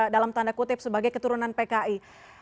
dalam tanda kutip sebagai keturunan pki